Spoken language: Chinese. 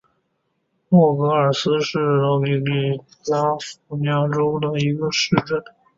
默格尔斯是奥地利福拉尔贝格州布雷根茨县的一个市镇。